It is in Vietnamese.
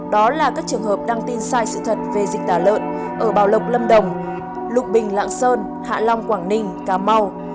đó là các trường hợp đăng tin sai sự thật về dịch tả lợn ở bảo lộc lâm đồng lụng bình lạng sơn hạ long quảng ninh cà mau